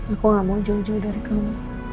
aku gak mau jauh jauh dari kamu